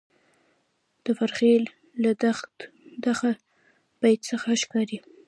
د فرخي له دغه بیت څخه ښکاري،